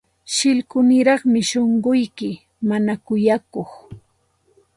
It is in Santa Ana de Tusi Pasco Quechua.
Shillkuniraqmi shunquyki, mana kuyakuq.